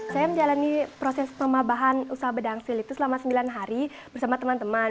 saya menjalani proses pemabahan usaha bedangsil itu selama sembilan hari bersama teman teman